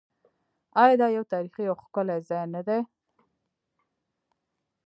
آیا دا یو تاریخي او ښکلی ځای نه دی؟